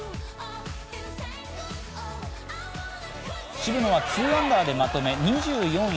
渋野は２アンダーでまとめ２４位